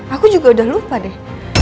aku juga udah lupa deh